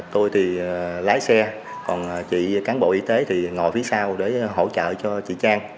tôi thì lái xe còn chị cán bộ y tế thì ngồi phía sau để hỗ trợ cho chị trang